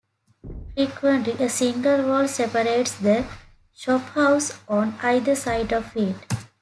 Frequently, a single wall separates the shophouses on either side of it.